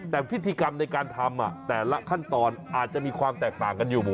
แต่พิธีกรรมในการทำแต่ละขั้นตอนอาจจะมีความแตกต่างกันอยู่